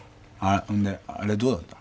そんであれどうだった？